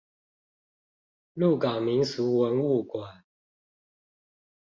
鹿港民俗文物館